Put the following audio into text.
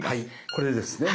これですね。